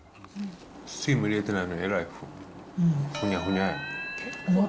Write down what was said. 水分入れてないのにえらいふにゃふにゃやな。